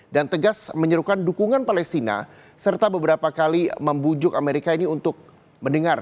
dan tegas menyerukan dukungan palestina serta beberapa kali membujuk amerika ini untuk mendengar